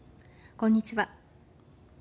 こんにちは。